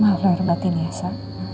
maaf lah herbatin ya sa